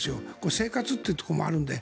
生活というところもあるので。